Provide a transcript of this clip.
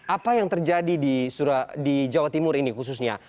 apa yang terjadi di jawa timur ini khususnya